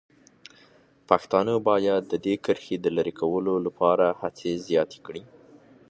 پښتانه باید د دې کرښې د لرې کولو لپاره هڅې زیاتې کړي.